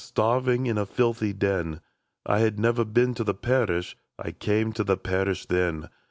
Starved in a filthy den ; I had never been to the parish, — I came to the parish then.